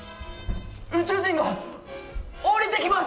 宇宙人が降りてきます。